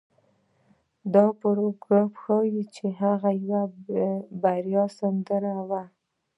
دا پاراګراف ښيي چې هغه يوه بريالۍ سندرغاړې وه.